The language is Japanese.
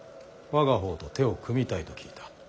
我が方と手を組みたいと聞いた。